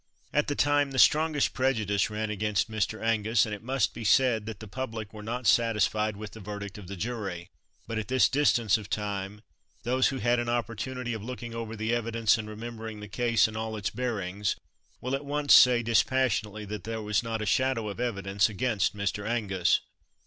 At the time the strongest prejudice ran against Mr. Angus, and it must be said that the public were not satisfied with the verdict of the jury; but at this distance of time, those who had an opportunity of looking over the evidence, and remembering the case in all its bearings, will at once say dispassionately that there was not a shadow of evidence against Mr. Angus.